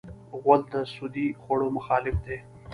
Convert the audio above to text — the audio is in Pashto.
غول د سودي خوړو مخالف دی.